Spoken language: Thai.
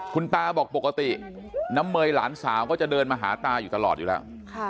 คุณตาบอกปกติน้ำเมยหลานสาวก็จะเดินมาหาตาอยู่ตลอดอยู่แล้ว